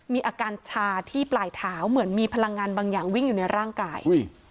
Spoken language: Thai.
มีอาการชาที่ปลายเท้าเหมือนมีพลังงานบางอย่างวิ่งอยู่ในร่างกาย